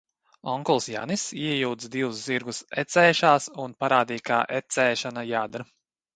Onkulis Janis iejūdza divus zirgus ecēšās un parādīja, kā ecēšana jādara.